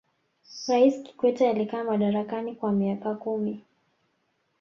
raisi kikwete alikaa madarakani kwa miaka kumi